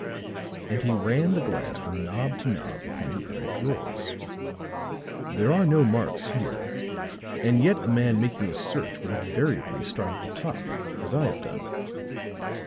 and he ran the glass from knob to knob upon the other drawers; "there are no marks here. And yet a man making a search would invariably start at the top, as I have done."